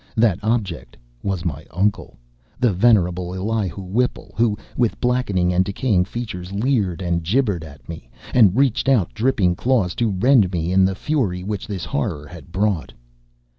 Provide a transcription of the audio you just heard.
That object was my uncle the venerable Elihu Whipple who with blackening and decaying features leered and gibbered at me, and reached out dripping claws to rend me in the fury which this horror had brought.